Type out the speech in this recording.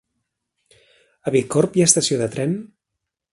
A Bicorb hi ha estació de tren?